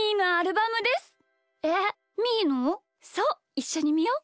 いっしょにみよう！